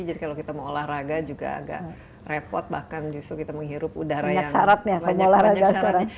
jadi kalau kita mau olahraga juga agak repot bahkan justru kita menghirup udara yang banyak syaratnya